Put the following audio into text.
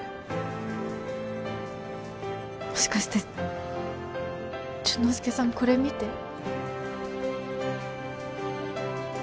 もしかして潤之介さんこれ見て？